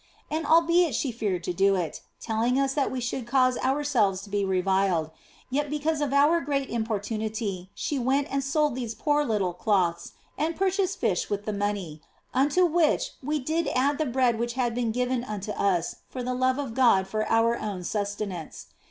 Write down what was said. And albeit she feared to do it, telling us that we should cause ourselves to be reviled, yet because of our great impor tunity she went and sold those poor little cloths and purchased fish with the money, unto which we did add the bread which had been given unto us for the love of God for our own sustenance.